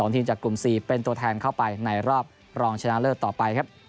ทีมจากกลุ่ม๔เป็นตัวแทนเข้าไปในรอบรองชนะเลิศต่อไปครับ